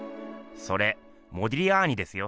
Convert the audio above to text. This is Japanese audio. それモディリアーニですよ。